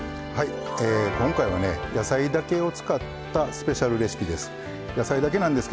今回は野菜だけを使ったスペシャルレシピです。